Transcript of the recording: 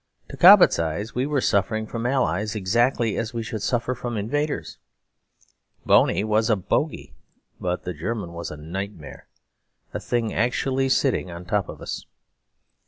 To Cobbett's eye we were suffering from allies exactly as we should suffer from invaders. Boney was a bogey; but the German was a nightmare, a thing actually sitting on top of us.